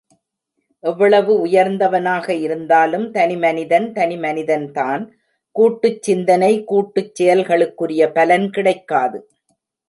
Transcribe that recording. எவ்வளவு உயர்ந்தவனாக இருந்தாலும் தனி மனிதன், தனிமனிதன்தான் கூட்டுச் சிந்தனை, கூட்டுச் செயல்களுக்குரிய பலன் கிடைக்காது.